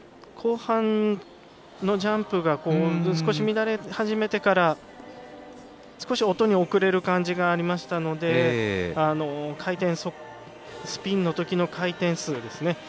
後半のジャンプが少し乱れ始めてから少し音に遅れる感じがありましたのでスピンのときの回転数ですね。